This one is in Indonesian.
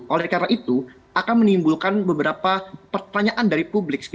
oleh karena itu akan menimbulkan beberapa pertanyaan dari publik